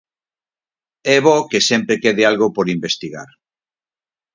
É bo que sempre quede algo por investigar.